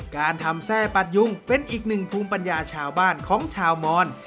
การทำแทร่ปัดยุงเป็นอีกหนึ่งภูมิปัญญาชาวบ้านของชาวมอน